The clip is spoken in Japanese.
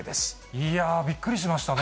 いやぁ、びっくりしましたね。